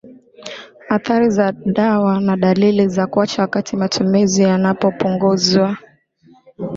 athari za dawa na dalili za kuacha wakati matumizi yanapopunguzwa